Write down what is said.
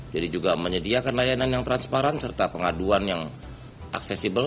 jadi juga menyediakan layanan yang transparan serta pengaduan yang aksesibel